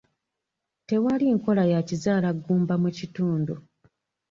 Tewali nkola ya kizaalaggumba mu kitundu.